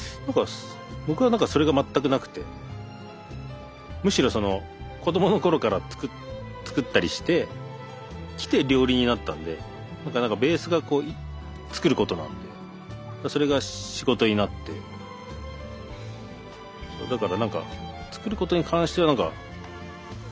僕は何かそれが全くなくてむしろ子どもの頃から作ったりしてきて料理人になったんでだから何かベースが作ることなんでそれが仕事になってだから何か作ることに関しては楽しいですよね。